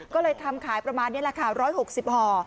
ก็เลยทำขายประมาณนี้แหละค่ะ๑๖๐ห่อ